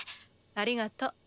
ありがと。